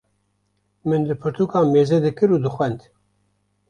min li pirtûkan mêze dikir û dixwend.